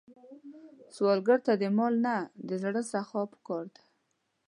سوالګر ته د مال نه، د زړه سخا پکار ده